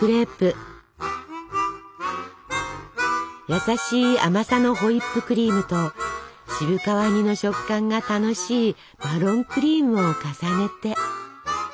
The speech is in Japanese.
優しい甘さのホイップクリームと渋皮煮の食感が楽しいマロンクリームを重ねて。